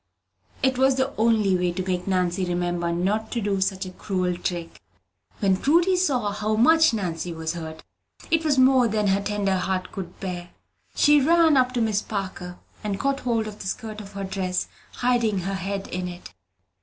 It was the only way to make Nancy remember not to do such a cruel trick again. When Prudy saw how much Nancy was hurt, it was more than her tender heart could bear. She ran up to Miss Parker, and caught hold of the skirt of her dress, hiding her head in it.